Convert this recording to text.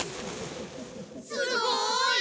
すごい！